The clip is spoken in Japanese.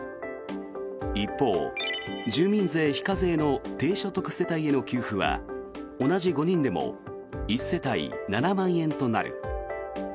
一方、住民税非課税の低所得世帯への給付は同じ５人でも１世帯７万円となる。